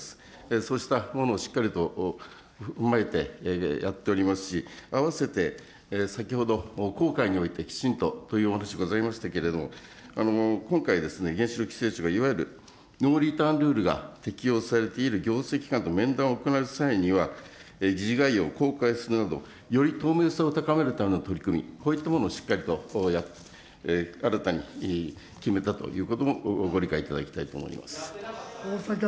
そうしたものをしっかりと踏まえてやっておりますし、併せて先ほど、公開において、きちんとというお話がございましたけれども、今回ですね、原子力規制庁がいわゆるノーリターンルールが適用されている行政機関と面談を行う際には、議事内容を公開するなど、より透明性を高めるための取り組み、こういったものをしっかりとやって、新たに決めたということもご理解いただきたいと思います。